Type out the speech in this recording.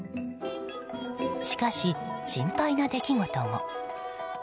しかし、心配な出来事も。